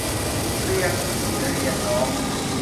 เรียงพี่เรียงน้อง